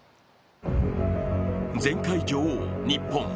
前回女王・日本。